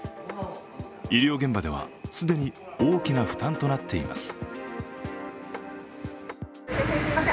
医療現場では既に大きな負担となっています。